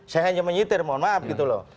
saya hanya menyitir mohon maaf gitu loh